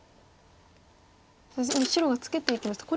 白がツケていきました。